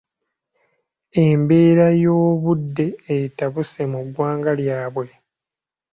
Embeera y'obudde etabuse mu ggwanga lyabwe.